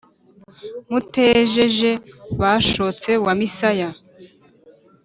mutejeje bashotse wa misaya,